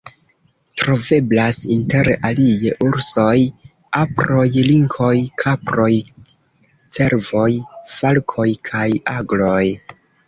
Troveblas inter alie ursoj, aproj, linkoj, kaproj, cervoj, falkoj kaj agloj.